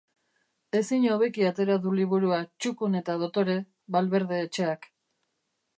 Ezin hobeki atera du liburua, txukun eta dotore, Valverde etxeak.